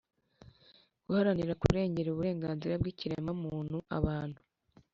guharanira kurengera uburenganzira bw'ikiremwamuntu, abantu